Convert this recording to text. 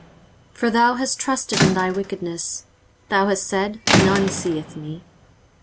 23:047:010 For thou hast trusted in thy wickedness: thou hast said, None seeth me.